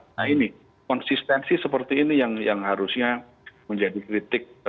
nah ini konsistensi seperti ini yang harusnya menjadi kritik